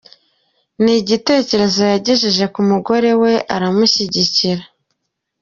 Ni igitekerezo yagejeje ku mugore we, aramushyigikira.